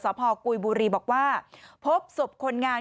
พ่อกุยบุรีบอกว่าพบศพคนงาน